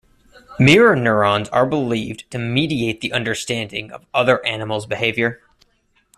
Mirror neurons are believed to mediate the understanding of other animals' behaviour.